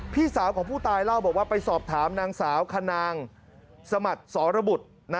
พี่สาวของผู้ตายเล่าบอกว่าไปสอบถามนางสาวคณางสมัติสรบุตร